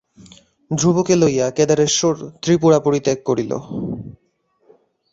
ধ্রুবকে লইয়া কেদারেশ্বর ত্রিপুরা পরিত্যাগ করিল।